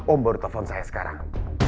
om baru telepon saya sekarang